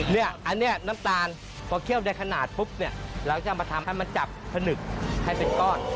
เนี่ยอันนี้น้ำตาลพอเคี่ยวได้ขนาดปุ๊บเนี่ยเราจะมาทำให้มันจับผนึกให้เป็นก้อน